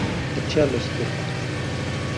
د چا له سترګو